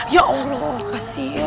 ya allah kasih ya